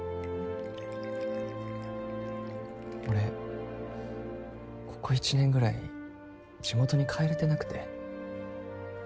俺ここ１年ぐらい地元に帰れてなくて。